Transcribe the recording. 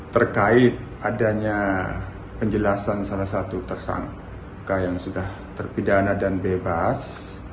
terkait adanya penjelasan salah satu tersangka yang sudah terpidana dan bebas